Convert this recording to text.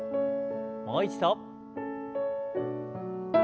もう一度。